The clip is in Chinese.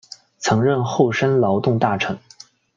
曾任厚生劳动大臣。